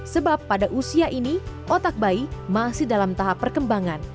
sebab pada usia ini otak bayi masih dalam tahap perkembangan